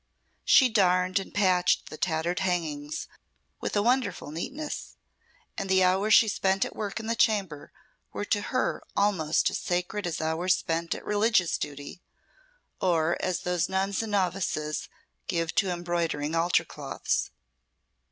She darned and patched the tattered hangings with a wonderful neatness, and the hours she spent at work in the chamber were to her almost as sacred as hours spent at religious duty, or as those nuns and novices give to embroidering altar cloths.